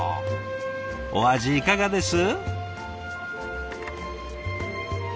お味いかがです？